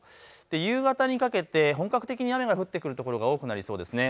夕方にかけて本格的に雨が降ってくるところが多くなりそうですね。